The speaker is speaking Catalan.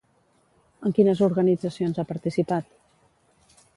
En quines organitzacions ha participat?